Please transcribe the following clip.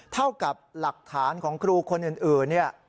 เท่ากับหลักฐานของครูคนอื่นเนี่ย